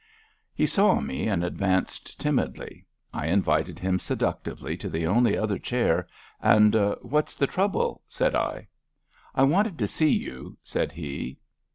He saw me and advanced timidly. I invited him seductively to the only other chair, and What's the trouble? '* said I. I wanted to see you,*' said He.